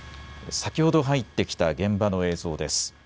先ほど入ってきた現場の映像です。